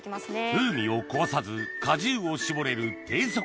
風味を壊さず果汁を搾れる低速